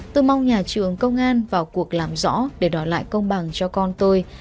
tôi mong nhà trường công an vào cuộc làm rõ để đòi lại công bằng cho con tôi